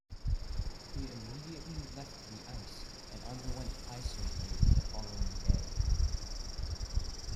He immediately left the ice and underwent eye surgery the following day.